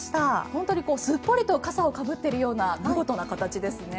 本当にすっぽりと笠をかぶっているような見事な形ですね。